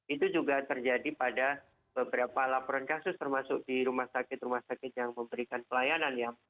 itu juga terjadi pada beberapa laporan kasus termasuk di rumah sakit rumah sakit yang memberikan pelayanan ya